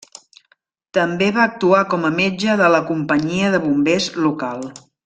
També va actuar com a metge de la companyia de bombers local.